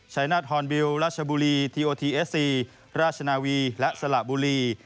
ชัยนาธฮอนบิลราชบุรีทีโอทีเอสซีราชนาวีและสละบุรี